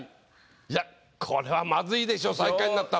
いやこれはまずいでしょ最下位になったら。